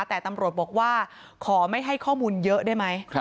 แต่ตำรวจบอกว่าขอไม่ให้ข้อมูลเยอะได้ไหม